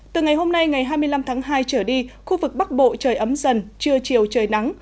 từ ngày hôm nay ngày hai mươi năm tháng hai trở đi khu vực bắc bộ trời ấm dần trưa chiều trời nắng